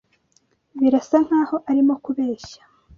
Birasa nkaho arimo kubeshya.